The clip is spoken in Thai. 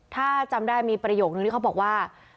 ถ้าจำได้มีประโยคนึงที่เขาบอกว่า